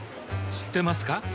知ってますか？